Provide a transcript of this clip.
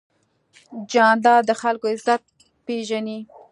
جانداد د خلکو عزت پېژني.